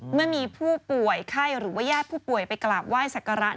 เมื่อมีผู้ป่วยไข้หรือว่าญาติผู้ป่วยไปกราบไหว้สักการะ